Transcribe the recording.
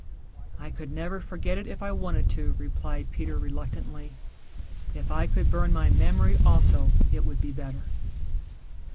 "I could never forget it if I wanted to," replied Peter reluctantly. "If I could burn my memory also it would be better."